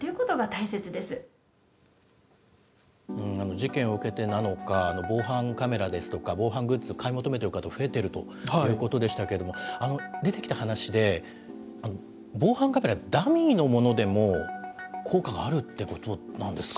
事件を受けてなのか、防犯カメラですとか、防犯グッズ、買い求めてる方、増えているということでしたけれども、出てきた話で、防犯カメラ、ダミーのものでも効果があるっていうことなんですか。